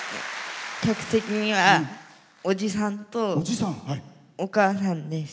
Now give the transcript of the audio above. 客席には、おじさんとお母さんです。